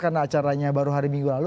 karena acaranya baru hari minggu lalu